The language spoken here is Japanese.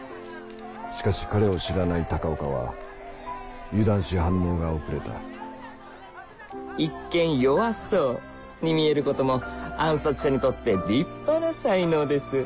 しかし彼を知らない鷹岡は油断し反応が遅れた一見弱そうに見えることも暗殺者にとって立派な才能です